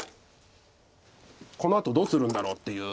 このあとどうするんだろうっていう。